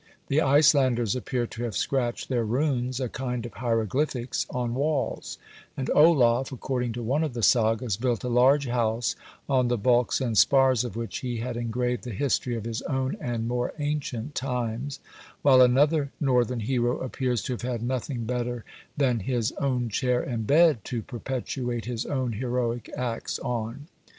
The Icelanders appear to have scratched their runes, a kind of hieroglyphics, on walls; and Olaf, according to one of the Sagas, built a large house, on the bulks and spars of which he had engraved the history of his own and more ancient times; while another northern hero appears to have had nothing better than his own chair and bed to perpetuate his own heroic acts on.